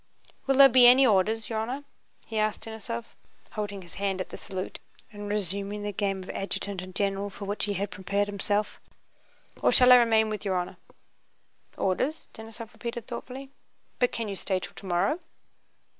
"Will there be any orders, your honor?" he asked Denísov, holding his hand at the salute and resuming the game of adjutant and general for which he had prepared himself, "or shall I remain with your honor?" "Orders?" Denísov repeated thoughtfully. "But can you stay till tomowwow?"